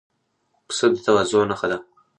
پسه د تواضع نښه ده.